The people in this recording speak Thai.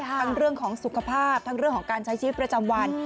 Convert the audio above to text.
เรื่องของสุขภาพทั้งเรื่องของการใช้ชีวิตประจำวัน